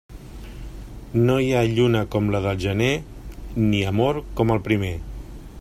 No hi ha lluna com la de gener, ni amor com el primer.